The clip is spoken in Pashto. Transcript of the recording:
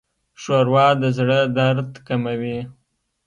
ښوروا د زړه درد کموي.